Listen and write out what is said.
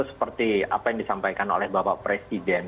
seperti apa yang disampaikan oleh bapak presiden